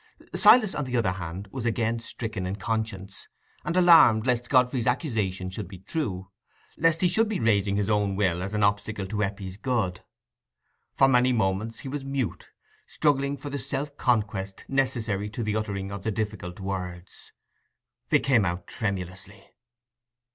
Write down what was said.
Silas, on the other hand, was again stricken in conscience, and alarmed lest Godfrey's accusation should be true—lest he should be raising his own will as an obstacle to Eppie's good. For many moments he was mute, struggling for the self conquest necessary to the uttering of the difficult words. They came out tremulously.